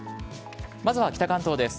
まずは北関東です。